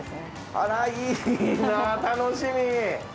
あらいいな楽しみ！